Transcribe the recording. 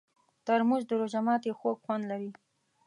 ترموز د روژه ماتي خوږ خوند لري.